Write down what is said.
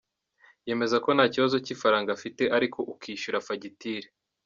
Yemeza ko nta kibazo cy’ifaranga afite ariko ukishyura fagitire.